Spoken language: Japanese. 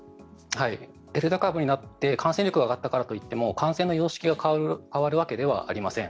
デルタ株になって感染力が上がったからといって感染の様式が変わるわけではありません。